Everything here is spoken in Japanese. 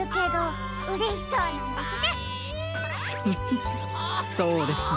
フフフッそうですね。